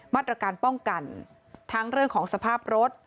มาตรการป้องกันทั้งเรื่องของสภาพรถ